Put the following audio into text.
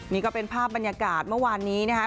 นี่ก็เป็นภาพบรรยากาศเมื่อวานนี้นะครับ